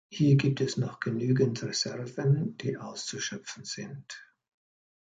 Hier gibt es noch genügend Reserven, die auszuschöpfen sind.